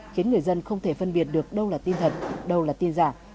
khiến người dân không thể phân biệt được đâu là tin thật đâu là tin giả